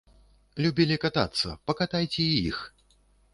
Любілі катацца, пакатайце і іх!